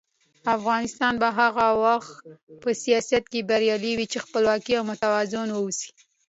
افغانستان به هغه وخت په سیاست کې بریالی وي چې خپلواک او متوازن واوسي.